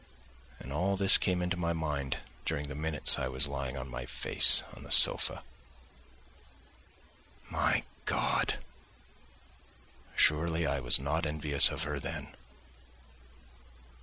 And all this came into my mind during the minutes I was lying on my face on the sofa. My God! surely I was not envious of her then.